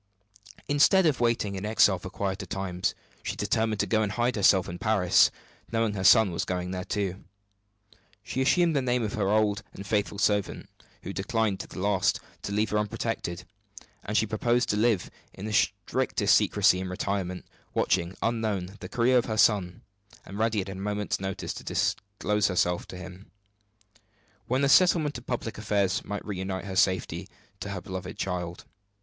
Instead of waiting in exile for quieter times, she determined to go and hide herself in Paris, knowing her son was going there too. She assumed the name of her old and faithful servant, who declined to the last to leave her unprotected; and she proposed to live in the strictest secrecy and retirement, watching, unknown, the career of her son, and ready at a moment's notice to disclose herself to him, when the settlement of public affairs might reunite her safely to her beloved child.